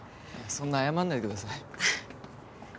そんな謝んないでください